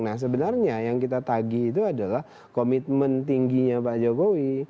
nah sebenarnya yang kita tagih itu adalah komitmen tingginya pak jokowi